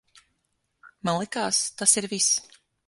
Man likās, tas ir viss.